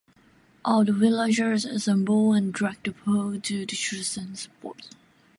All the villagers assemble and drag the pole to the chosen spot.